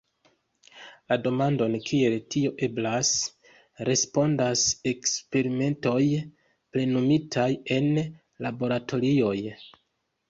La demandon Kiel tio eblas, respondas eksperimentoj plenumitaj en laboratorioj.